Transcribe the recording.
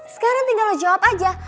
sekarang tinggal lo jawab aja